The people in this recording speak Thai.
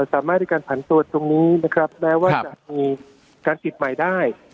สามารถด้วยการผันตัวตรงนี้นะครับแม้ว่าจะมีการปิดใหม่ได้